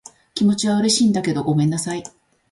気持ちは嬉しいんだけど、ごめんなさい。